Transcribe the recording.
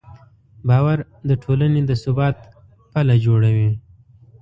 باور د ټولنې د ثبات پله جوړوي.